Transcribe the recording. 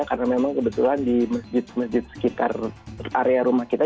karena memang kebetulan di masjid masjid sekitar area rumah kita